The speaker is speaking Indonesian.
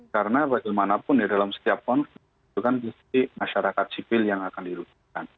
karena bagaimanapun di dalam setiap konflik itu kan pasti masyarakat sipil yang akan dirusakkan